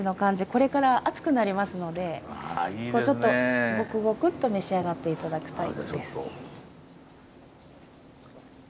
これから暑くなりますのでちょっとゴクゴクと召し上がって頂くタイプです。